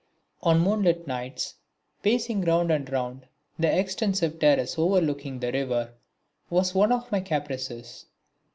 On moonlight nights pacing round and round the extensive terrace overlooking the river was one of my caprices.